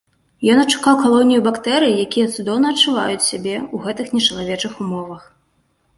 Ён адшукаў калонію бактэрый, якія цудоўна адчуваюць сябе ў гэтых нечалавечых умовах.